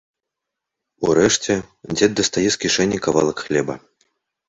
Урэшце дзед дастае з кішэні кавалак хлеба.